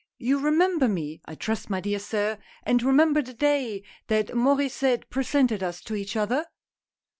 " You remember me, I trust, my dear sir, and remember the day that ^laur^sset presented us to each other